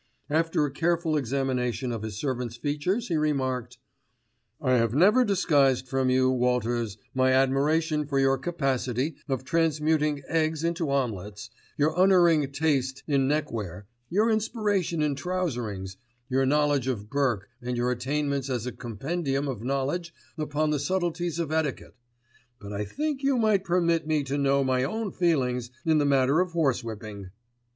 After a careful examination of his servant's features he remarked, "I have never disguised from you, Walters, my admiration for your capacity of transmuting eggs into omelettes, your unerring taste in neckwear, your inspiration in trouserings, your knowledge of Burke and your attainments as a compendium of knowledge upon the subtleties of etiquette; but I think you might permit me to know my own feelings in the matter of horsewhipping."